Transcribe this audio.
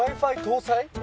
Ｗｉ−Ｆｉ搭載！？